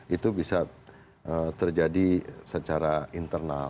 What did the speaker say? itu bisa terjadi secara internal